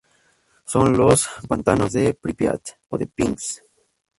Son los "pantanos de Prípiat" o "de Pinsk".